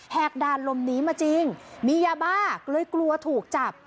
กด่านลมหนีมาจริงมียาบ้าเลยกลัวถูกจับ